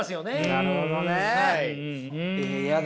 なるほどねえ。